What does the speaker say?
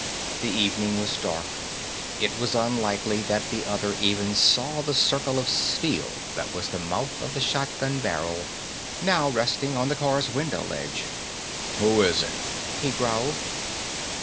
The evening was dark, it was unlikely that the other even saw the circle of steel that was the mouth of the shotgun barrel, now resting on the car's window ledge. "Who's it?" he growled.